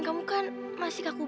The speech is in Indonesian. agar kamu bus solo hum